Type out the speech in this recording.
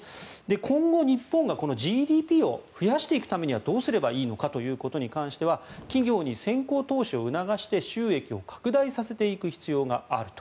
今後、日本がＧＤＰを増やしていくためにはどうすればいいのかということに関しては起業に先行投資を促して収益を拡大させていく必要があると。